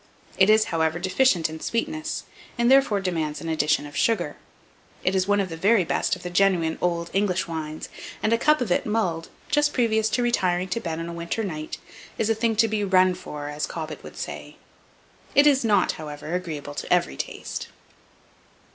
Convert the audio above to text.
It is, however, deficient in sweetness, and therefore demands an addition of sugar. It is one of the very best of the genuine old English wines; and a cup of it mulled, just previous to retiring to bed on a winter night, is a thing to be "run for," as Cobbett would say: it is not, however, agreeable to every taste.